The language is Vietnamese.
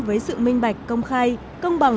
với sự minh bạch công khai công bằng